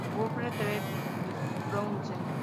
Bungle, Trey Spruance.